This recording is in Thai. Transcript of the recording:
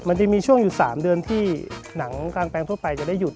มันจะมีช่วงอยู่๓เดือนที่หนังกลางแปลงทั่วไปจะได้หยุด